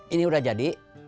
ini udah jadi